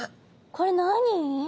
これ何？